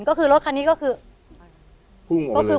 ก็คือรถคันนี้ก็คือ